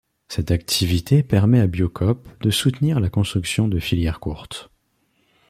Cette activité permet à Biocoop de soutenir la construction de filières courtes.